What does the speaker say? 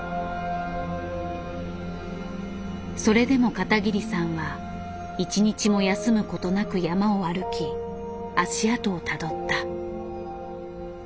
それでも片桐さんは一日も休むことなく山を歩き足跡をたどった。